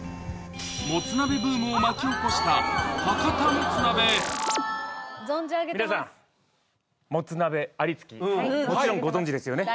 もつ鍋ブームを巻き起こした博多もつ鍋皆さんもちろんご存じですよね